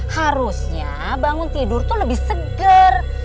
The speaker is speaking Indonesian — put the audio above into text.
harusnya bangun tidur itu lebih seger